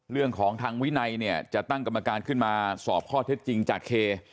เรื่องของทางวินัยเนี่ยจะตั้งกรรมการขึ้นมาสอบข้อเท็จจริงจากเค